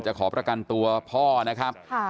ขอประกันตัวพ่อนะครับ